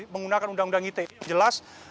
menggunakan undang undang ite jelas